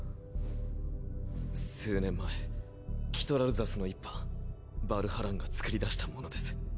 数年前キトラルザスの一派ヴァルハランが作り出したものです。